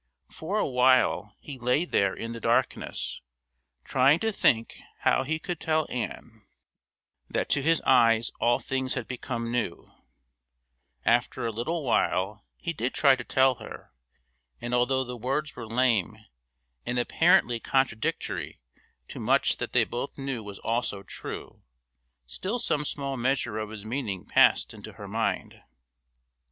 For a while he lay there in the darkness, trying to think how he could tell Ann that to his eyes all things had become new; after a little while he did try to tell her, and although the words were lame, and apparently contradictory to much that they both knew was also true, still some small measure of his meaning passed into her mind.